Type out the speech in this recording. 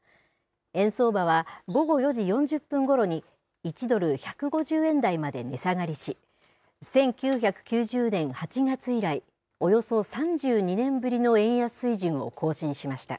円相場は午後４時４０分ごろに、１ドル１５０円台まで値下がりし、１９９０年８月以来、およそ３２年ぶりの円安水準を更新しました。